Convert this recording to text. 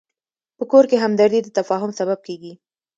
په کور کې همدردي د تفاهم سبب کېږي.